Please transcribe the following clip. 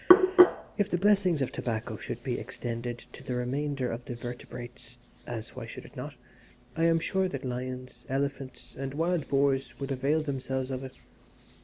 "If the blessings of tobacco should be extended to the remainder of the vertebrates (as, why should it not?) I am sure that lions, elephants, and wild boars would avail themselves of it.